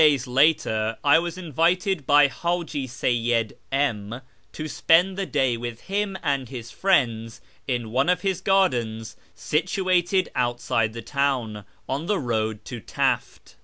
Two days later I was invited by Haji Seyyid M to spend the day with him and his friends in one of his gardens situated outside the town, on the road to Taft.